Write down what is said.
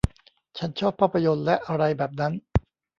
ฉันชอบภาพยนตร์และอะไรแบบนั้น